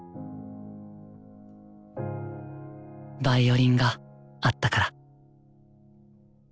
ヴァイオリンがあったから。